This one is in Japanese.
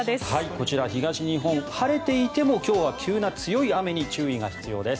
こちら、東日本晴れていても今日は急な強い雨に注意が必要です。